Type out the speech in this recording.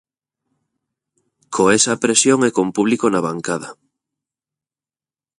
Co esa presión e con público na bancada.